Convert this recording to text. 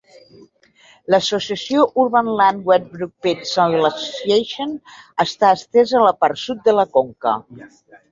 L'associació Urban Land-Wetbrook-Pitts Soil Association està estesa a la part sud de la conca.